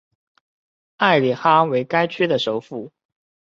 埃里哈为该区的首府。